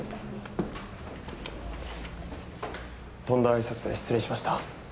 とんだ挨拶で失礼しました。